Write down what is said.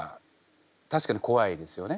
確かにこわいですよね。